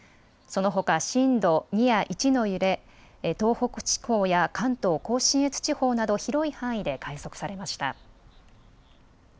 そのほか震度２や１の揺れ、東北地方や関東甲信越地方など広い範囲で観測されました。